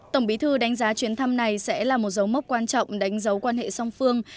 tổng bí thư đánh giá chuyến thăm này sẽ là một dấu mốc quan trọng đánh dấu quan hệ song phương